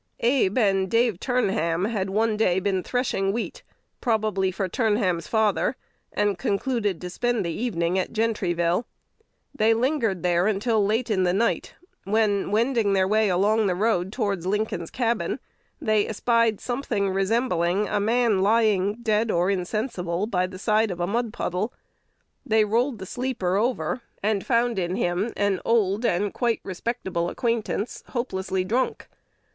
Abe and Dave Turnham had one day been threshing wheat, probably for Turnham's father, and concluded to spend the evening at Gentryville. They lingered there until late in the night, when, wending their way along the road toward Lincoln's cabin, they espied something resembling a man lying dead or insensible by the side of a mud puddle. They rolled the sleeper over, and found in him an old and quite respectable acquaintance, hopelessly drunk.